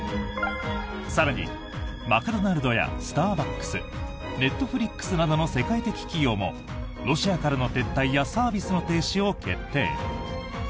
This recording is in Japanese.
更に、マクドナルドやスターバックスネットフリックスなどの世界的企業もロシアからの撤退やサービスの停止を決定。